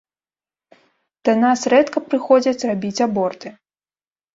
Да нас рэдка прыходзяць рабіць аборты.